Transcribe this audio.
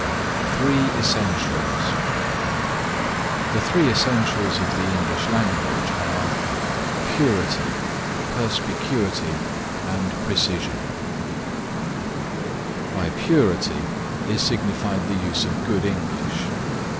THREE ESSENTIALS The three essentials of the English language are: Purity, Perspicuity and Precision. By Purity is signified the use of good English.